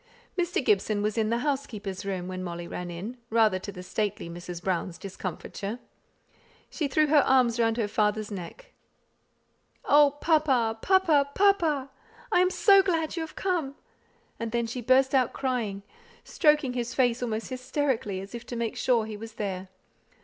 Mr. Gibson was in the housekeeper's room, when Molly ran in, rather to the stately Mrs. Brown's discomfiture. She threw her arms round her father's neck. "Oh, papa, papa, papa! I am so glad you have come;" and then she burst out crying, stroking his face almost hysterically as if to make sure he was there.